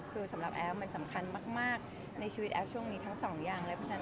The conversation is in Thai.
คือสำหรับแอฟมันสำคัญมากในชีวิตแอฟช่วงนี้ทั้ง๒อย่างเลย